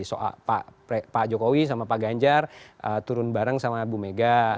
soal pak jokowi sama pak ganjar turun bareng sama bu mega